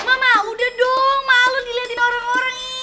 mama udah dong malu diliatin orang orang nih